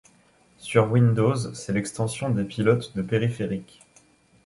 Sur Windows c'est l'extension des pilotes de périphériques.